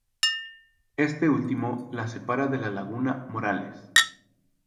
Este último la separa de la Laguna Morales.